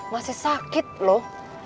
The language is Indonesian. masih sakit loh